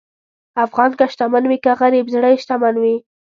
افغان که شتمن وي که غریب، زړه یې شتمن وي.